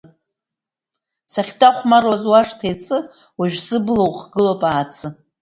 Сахьҭахәмаруаз уашҭа иацы, уажә, сыбла ухгылоуп Аацы.